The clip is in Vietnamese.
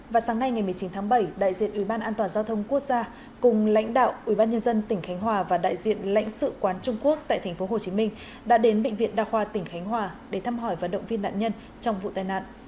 và sáng nay ngày một mươi chín tháng bảy đại diện ủy ban an toàn giao thông quốc gia cùng lãnh đạo ubnd tỉnh khánh hòa và đại diện lãnh sự quán trung quốc tại tp hcm đã đến bệnh viện đa khoa tỉnh khánh hòa để thăm hỏi và động viên nạn nhân trong vụ tai nạn